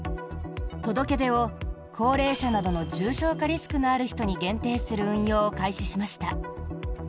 届け出を高齢者などの重症化リスクのある人に限定する運用を開始しました。